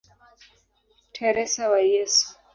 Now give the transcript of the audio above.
Teresa wa Yesu".